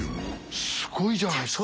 すごいじゃないですか。